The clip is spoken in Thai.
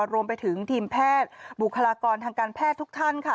รวมไปถึงทีมแพทย์บุคลากรทางการแพทย์ทุกท่านค่ะ